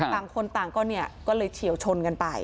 ต่างคนต่างก็เลยเฉียวชน